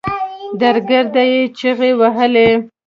درګرده يې چيغې وهلې.